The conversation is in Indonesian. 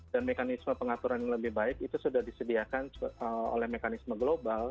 dan mekanisme pengaturan yang lebih baik itu sudah disediakan oleh mekanisme global